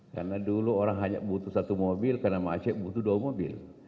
karena dulu orang hanya butuh satu mobil karena macet butuh dua mobil